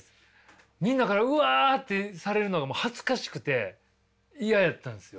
みんなからウワッてされるのがもう恥ずかしくて嫌やったんですよ。